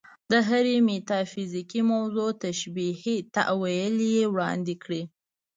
د هرې میتافیزیکي موضوع تشبیهي تأویل یې وړاندې کړی.